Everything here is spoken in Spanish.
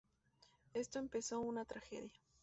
Esto empezó una tragedia.